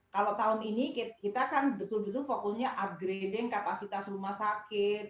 kalau tahun ini kita kan betul betul fokusnya upgrading kapasitas rumah sakit